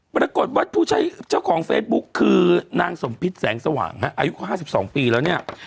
ปรากฏว่าผู้ใช้เจ้าของเฟซบุ๊กคือนางสมพิษแสงสว่างอายุ๕๒ปีแล้วเนี่ย